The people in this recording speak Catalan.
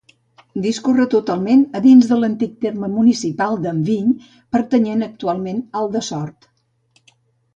Discorre totalment a dins de l'antic terme municipal d'Enviny, pertanyent actualment al de Sort.